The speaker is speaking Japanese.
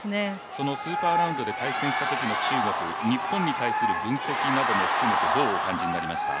そのスーパーラウンドで対戦したときの中国日本に対する分析なども含めてどうお感じになりました？